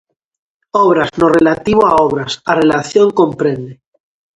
Obras no relativo a obras, a relación comprende: